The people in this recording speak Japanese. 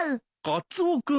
カツオ君。